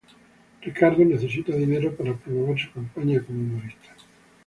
Ricardo necesita dinero para promover su campaña como humorista.